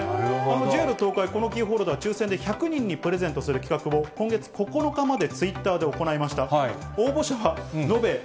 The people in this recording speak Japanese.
ＪＲ東海、このキーホルダー、抽せんで１００人にプレゼントする企画を、今月９日までツイッターで行いました。